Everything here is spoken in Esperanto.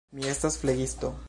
Mi estas flegisto.